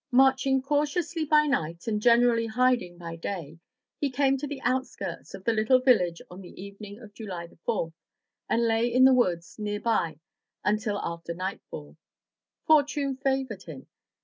Marching 391 M Y BOOK HOUSE cautiously by night and generally hiding by day, he came to the outskirts of the little village on the evening of July 4, and lay in the woods near by until after nightfall. Fortune favored him.